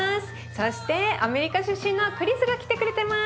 そしてアメリカ出身のクリスが来てくれてます。